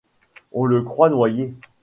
On le croit noyé.